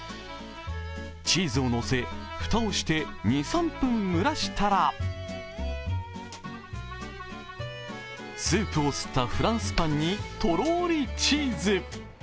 チーズをのせ、蓋をして２３分蒸らしたらスープを吸ったフランスパンにとろりチーズ。